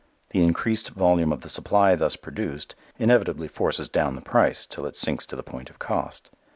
The increased volume of the supply thus produced inevitably forces down the price till it sinks to the point of cost.